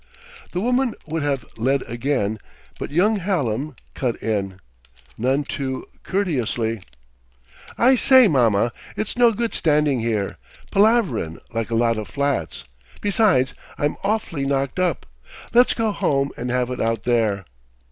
The woman would have led again, but young Hallam cut in, none too courteously. "I say, Mamma, it's no good standing here, palaverin' like a lot of flats. Besides, I'm awf'ly knocked up. Let's get home and have it out there."